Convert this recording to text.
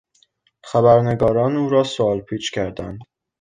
خبرنگاران او را سوال پیچ کردند.